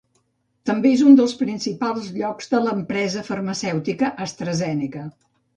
També és un dels principals llocs de l'empresa farmacèutica AstraZeneca.